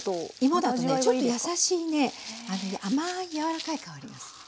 芋だとねちょっと優しい甘い柔らかい香りがするの。